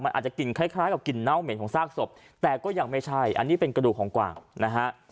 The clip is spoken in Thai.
อาจจะกลิ่นคล้ายกับกลิ่นเน่าเหม็นของซากศพแต่ก็ยังไม่ใช่อันนี้เป็นกระดูกของกวางนะฮะ